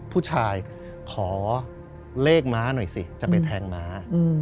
ผู้ชายขอเลขม้าหน่อยสิจะไปแทงม้า